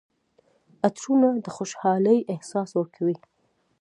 عطرونه د خوشحالۍ احساس ورکوي.